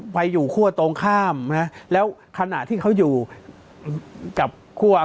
แบบตามข่าวนี้เขารู้กันแล้ว